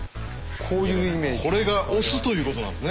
これが押すということなんですね。